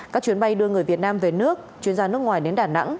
các chuyến bay đưa người việt nam về nước chuyến ra nước ngoài đến đà nẵng